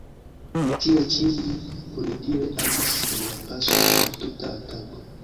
Tiel ĉi li onidire agis en la paso de la tuta atako.